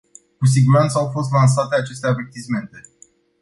Cu siguranță au fost lansate aceste avertismente.